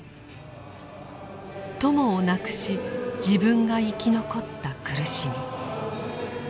友を亡くし自分が生き残った苦しみ。